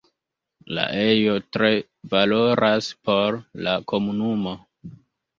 La ejo tre valoras por la komunumo.